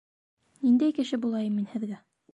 Ниндәй кеше булайым мин һеҙгә?